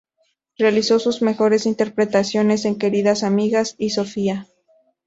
Realizó sus mejores interpretaciones en "Queridas amigas" y "Sofía".